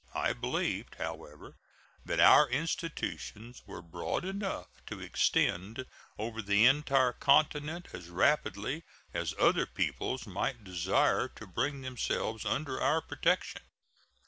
I believed, however, that our institutions were broad enough to extend over the entire continent as rapidly as other peoples might desire to bring themselves under our protection.